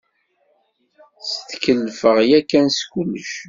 Setkelfeɣ yakan s kullec.